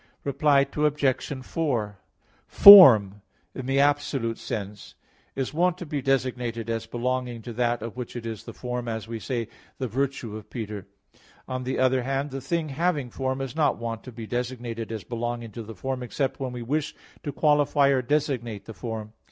Reply Obj. 4: Form, in the absolute sense, is wont to be designated as belonging to that of which it is the form, as we say "the virtue of Peter." On the other hand, the thing having form is not wont to be designated as belonging to the form except when we wish to qualify or designate the form.